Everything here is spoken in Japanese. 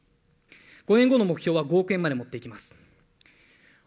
５年後の目標は５億円まで持っていきます。